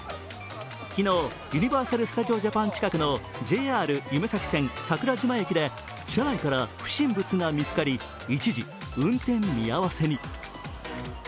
昨日、ユニバーサル・スタジオ・ジャパン近くのＪＲゆめ咲線・桜島駅で車内から不審物が見つかり一時運転見合わせに。